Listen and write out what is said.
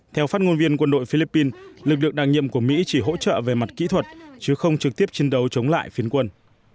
theo phát ngôn viên quân đội philippines lực lượng đặc nhiệm của mỹ chỉ hỗ trợ về mặt kỹ thuật chứ không trực tiếp chiến đấu chống lại phiến quân